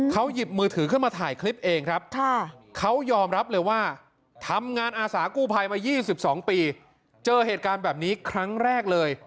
เขาหยิบมือถือขึ้นมาถ่ายคลิปเองครับเขายอมรับเลยว่าทำงานอาสากู้ภัยมา๒๒ปีเจอเหตุการณ์แบบนี้ครั้งแรกเลย